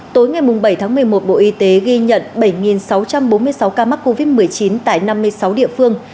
tối ngày bảy tháng một mươi một bộ y tế ghi nhận bảy sáu trăm bốn mươi sáu ca mắc covid một mươi chín tại năm mươi sáu địa phương